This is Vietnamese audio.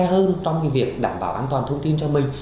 đã khé hơn trong việc đảm bảo an toàn thông tin cho mình